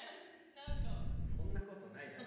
そんなことないだろ。